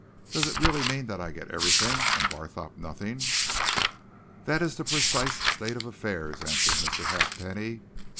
Does it really mean that I get everything, and Barthorpe nothing?" "That is the precise state of affairs," answered Mr. Halfpenny.